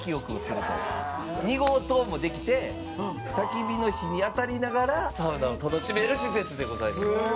「２号棟もできてたき火の火に当たりながらサウナを楽しめる施設でございます」